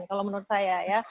kalau menurut saya ya